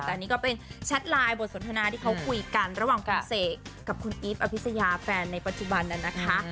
แต่อันนี้ก็เป็นแชทไลน์บทสนทนาที่เขาคุยกันระหว่างคุณเสกกับคุณอีฟอภิษยาแฟนในปัจจุบันนั้นนะคะ